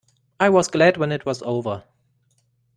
I was glad when it was over.